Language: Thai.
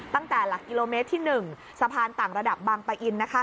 ตั้งแต่หลักกิโลเมตรที่๑สะพานต่างระดับบางปะอิน